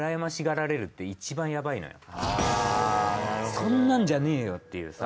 そんなんじゃねえよっていうさ。